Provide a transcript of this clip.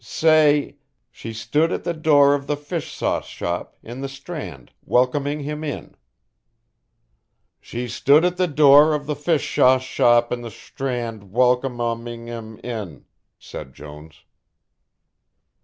"Say: 'She stood at the door of the fish sauce shop in the Strand welcoming him in.'" "She stood at the door of the fish shauce shop in the Strand welcom om ming im," said Jones.